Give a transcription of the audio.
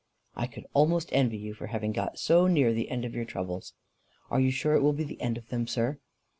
"I could almost envy you for having got so near the end of your troubles." "Are you sure it will be the end of them, sir?"